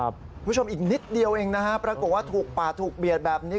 คุณผู้ชมอีกนิดเดียวเองนะฮะปรากฏว่าถูกปาดถูกเบียดแบบนี้